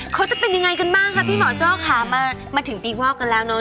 เขาจะเป็นยังไงกันบ้างคะพี่หมอโจ้ค่ะมาถึงปีวอกกันแล้วเนอะ